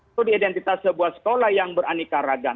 itu diidentitas sebuah sekolah yang beranikaragam